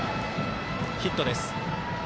ヒットです。